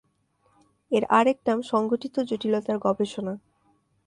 এর আরেক নাম সংগঠিত জটিলতার গবেষণা।